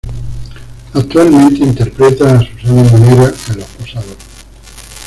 Actualmente interpreta a "Susana Munera" en Los Posados.